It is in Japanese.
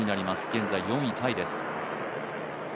現在４位タイです。